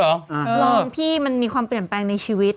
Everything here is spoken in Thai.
ร้องพี่มันมีความเปลี่ยนแปลงในชีวิต